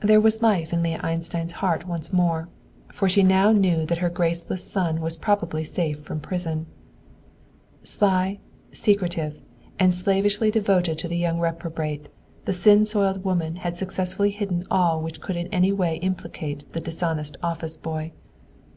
There was life in Leah Einstein's heart once more, for she now knew that her graceless son was probably safe from prison. Sly, secretive, and slavishly devoted to the young reprobate, the sin soiled woman had successfully hidden all which could in any way implicate the dishonest office boy.